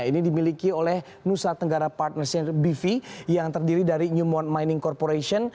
ini dimiliki oleh nusa tenggara partners bifi yang terdiri dari newmont mining corporation